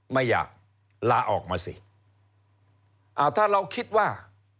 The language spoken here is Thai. ไม่อยากลาออกมาสิอ่าถ้าเราคิดว่า